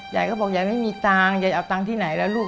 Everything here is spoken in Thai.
ยายก็บอกยายไม่มีตังค์ยายเอาตังค์ที่ไหนแล้วลูก